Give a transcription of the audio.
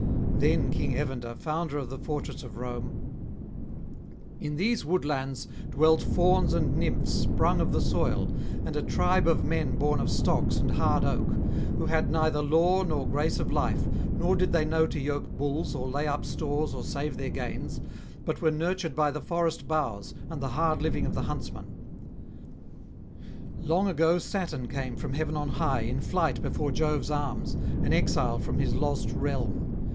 Then King Evander, founder of the fortress of Rome: 'In these woodlands dwelt Fauns and Nymphs sprung of the soil, and a tribe of men born of stocks and hard oak; who had neither law nor grace of life, nor did they know to yoke bulls or lay up stores or save their gains, but were nurtured by the forest boughs and the hard living of the huntsman. Long ago Saturn came from heaven on high in flight before Jove's arms, an exile from his lost realm.